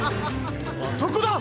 あそこだ！